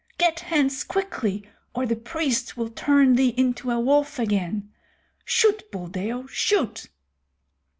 Get hence quickly or the priest will turn thee into a wolf again. Shoot, Buldeo, shoot!"